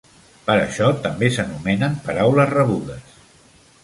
Per això, també s'anomenen paraules rebudes.